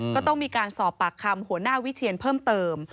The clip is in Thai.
ก็ต้องมีการสอบปากคำหัวหน้าวิเชียนเพิ่มเติม